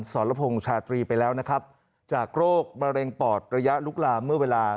สรพงษ์ชาตรีไปแล้วนะครับจากโรคมะเร็งปอดระยะลุกลามเมื่อเวลา